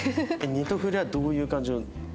ネトフリはどういう感じの？